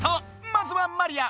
まずはマリア。